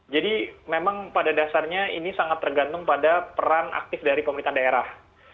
jadi memang pada dasarnya ini sangat tergantung pada peran aktif dari pemerintah daerah